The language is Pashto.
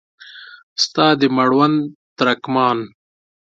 ستا د مړوند ترکمان